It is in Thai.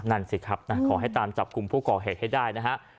นั่นสิครับขอให้ตามจับกลุ่มผู้ก่อเหตุให้ได้นะฮะ